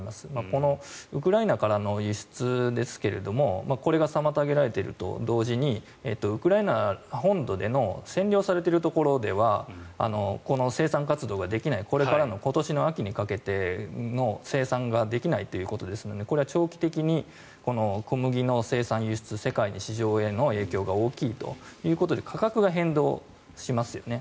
このウクライナからの輸出ですがこれが妨げられていると同時にウクライナ本土での占領されているところではこの生産活動ができないこれからの今年の秋にかけての生産ができないということですのでこれは長期的に小麦の生産・輸出世界市場への影響が大きいということで価格が変動しますよね。